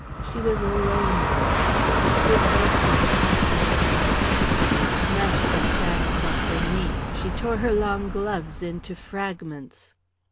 She was alone now; she could give vent to her passionate anger. She smashed her fan across her knee, she tore her long gloves into fragments.